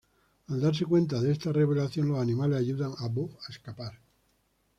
Al darse cuenta de esta revelación, los animales ayudan a Bo a escapar.